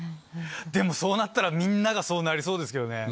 でもそうなったらみんながそうなりそうですけどね。